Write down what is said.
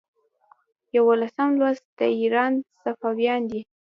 یوولسم لوست د ایران صفویان دي.